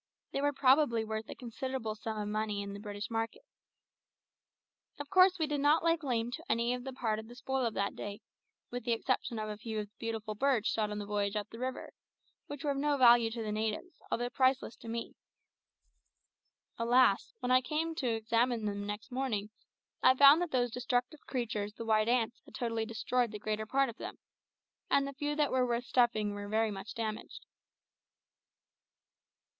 They were probably worth a considerable sum of money in the British market. Of course we did not lay claim to any part of the spoil of that day, with the exception of a few of the beautiful birds shot on the voyage up the river, which were of no value to the natives, although priceless to me. Alas! when I came to examine them next morning, I found that those destructive creatures the white ants had totally destroyed the greater part of them, and the few that were worth stuffing were very much damaged.